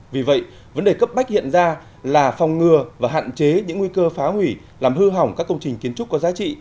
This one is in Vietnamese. vì vậy vấn đề cấp bách hiện ra là phòng ngừa và hạn chế những nguy cơ phá hủy làm hư hỏng các công trình kiến trúc có giá trị